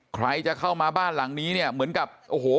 ใครจะเข้ามาบ้านหลังนี้เนี่ยเหมือนกับโอ้โห